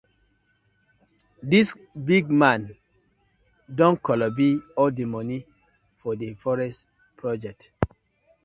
Dis big man don kolobi all di moni for di forest project.